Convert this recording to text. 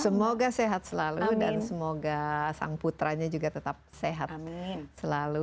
semoga sehat selalu dan semoga sang putranya juga tetap sehat selalu